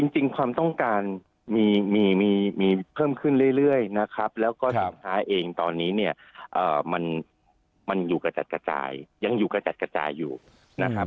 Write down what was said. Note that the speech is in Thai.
ความต้องการมีเพิ่มขึ้นเรื่อยนะครับแล้วก็สินค้าเองตอนนี้เนี่ยมันอยู่กระจัดกระจายยังอยู่กระจัดกระจายอยู่นะครับ